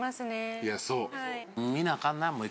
いやそう。